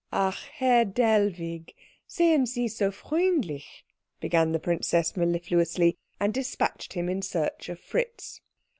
"Ach, Herr Dellwig, seien Sie so freundlich " began the princess mellifluously; and despatched him in search of Fritz.